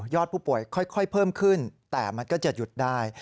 ผู้ป่วยค่อยเพิ่มขึ้นแต่มันก็จะหยุดได้